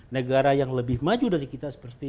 negara yang lebih maju dari kita seperti